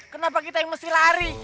kenapa kita yang mesti lari